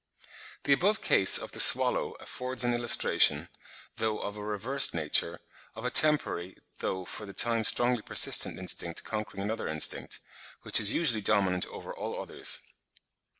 The above case of the swallow affords an illustration, though of a reversed nature, of a temporary though for the time strongly persistent instinct conquering another instinct, which is usually dominant over all others.